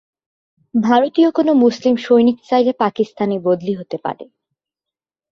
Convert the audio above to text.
ভারতীয় কোনো মুসলিম সৈনিক চাইলে পাকিস্তানে বদলি হতে পারবে।